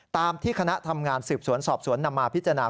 ตามที่คณะทำงานสืบสวนสอบสวนนำมาพิจารณา